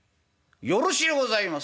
「よろしゅうございます」